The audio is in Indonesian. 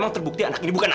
bang cepetan dikit dong bang